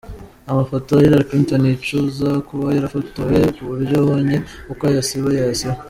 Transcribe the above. Amafoto Hillary Clinton yicuza kuba yarafotowe ku buryo abonye uko ayasiba yayasiba.